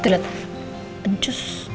itu lihat pencus